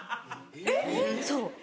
えっ⁉そう。